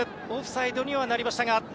オフサイドにはなりましたが。